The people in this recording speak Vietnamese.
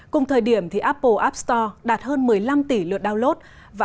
cùng thời điểm apple app store đạt hơn một mươi năm tỷ lượt download